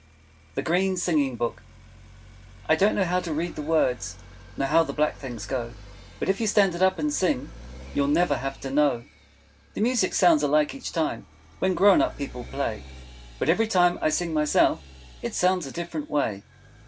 The Green Singing Book I don't know how to read the words, Nor how the black things go. But if you stand it up, and sing, You never have to know. The music sounds alike each time When grown up people play; But every time I sing, myself, It sounds a different way.